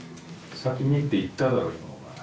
「先にって言っただろうがお前」